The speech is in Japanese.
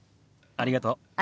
ありがとう。